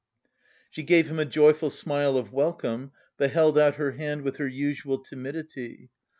She gave him a joyful smile of welcome, but held out her hand with her usual timidity.